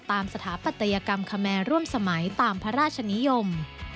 สถาปัตยกรรมคแมร์ร่วมสมัยตามพระราชนิยม